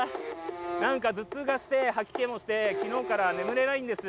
何か頭痛がして吐き気もして昨日から眠れないんです。